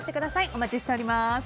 お待ちしております。